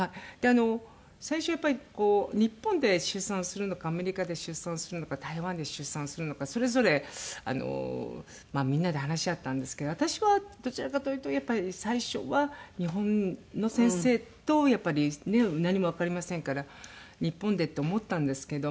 最初やっぱり日本で出産するのかアメリカで出産するのか台湾で出産するのかそれぞれみんなで話し合ったんですけど私はどちらかというとやっぱり最初は日本の先生とやっぱりねえ何もわかりませんから日本でって思ったんですけども。